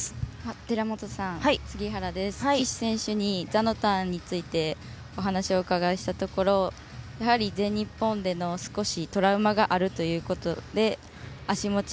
寺本さん、岸選手に座のターンについてお話をお伺いしたところやはり全日本での少しトラウマがあるということで足持ち